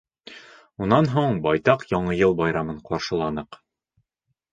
Унан һуң байтаҡ Яңы йыл байрамын ҡаршыланыҡ.